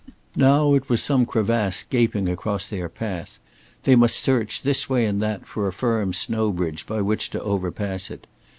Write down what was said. Now it was some crevasse gaping across their path; they must search this way and that for a firm snow bridge by which to overpass it.